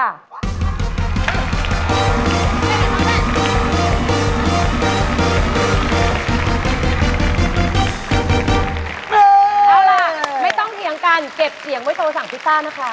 เอาล่ะไม่ต้องเถียงกันเก็บเสียงไว้โทรสั่งพิซซ่านะคะ